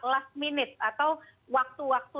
last minute atau waktu waktu